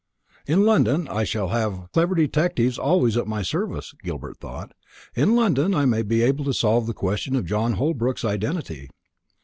"In London I shall have clever detectives always at my service," Gilbert thought; "in London I may be able to solve the question of John Holbrook's identity."